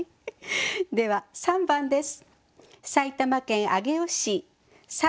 では３番です。